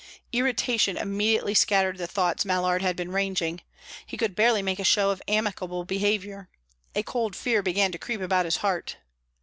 Irritation immediately scattered the thoughts Mallard had been ranging; he could barely make a show of amicable behaviour; a cold fear began to creep about his heart.